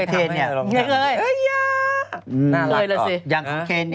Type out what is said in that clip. เฮ้ยยายยย